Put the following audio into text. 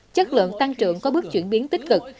chất lượng tăng trưởng có bước chuyển biến tích cực